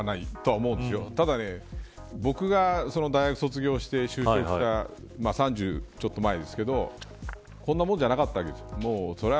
悪いことではないと思うんですけどただ、僕が大学を卒業して就職した３０ちょっと前ですけどこんなもんじゃなかったわけですよ。